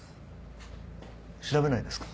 調べないんですか？